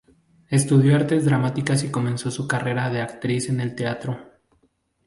Estudió artes dramáticas y comenzó su carrera de actriz en el teatro.